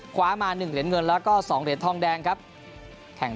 คว้ามา๑เหรียญเงินแล้วก็๒เหรียญทองแดงครับแข่ง